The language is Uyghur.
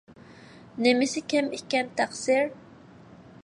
نېمىسى كەم ئىكەن تەقسىر؟